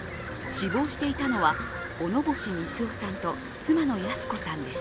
死亡していたのは小野星三男さんと妻の泰子さんです。